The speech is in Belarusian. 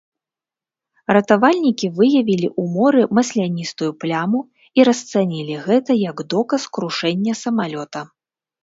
Ратавальнікі выявілі ў моры масляністую пляму і расцанілі гэта як доказ крушэння самалёта.